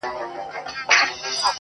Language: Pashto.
زما دي قسم په ذواجلال وي٫